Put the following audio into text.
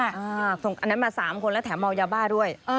อันนั้นมา๓คนแล้วแถมเมายาบ้าด้วย